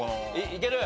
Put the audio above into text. いける？